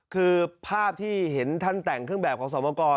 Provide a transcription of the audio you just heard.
คือภาพที่เห็นท่านแต่งเครื่องแบบของสมกร